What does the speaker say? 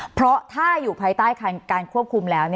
เพราะถ้าอยู่ภายใต้การควบคุมแล้ว